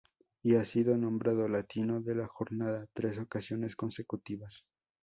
Y ha sido nombrado "latino de la jornada" tres ocasiones consecutivas.